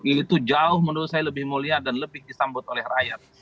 itu jauh menurut saya lebih mulia dan lebih disambut oleh rakyat